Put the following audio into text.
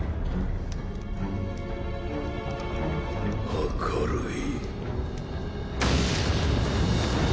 明るい。